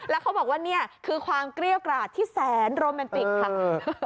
แล้วเขาบอกว่านี่คือความเกรี้ยวกราดที่แสนโรแมนติกค่ะ